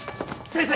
先生！